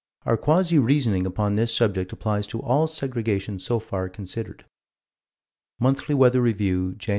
Our quasi reasoning upon this subject applies to all segregations so far considered. Monthly Weather Review, Jan.